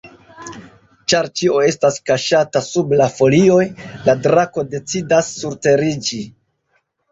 Ĉar ĉio estas kaŝata sub la folioj, la drako decidas surteriĝi.